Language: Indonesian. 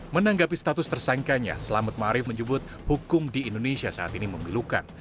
menanggapi status tersangkanya selamat ⁇ maarif menyebut hukum di indonesia saat ini memilukan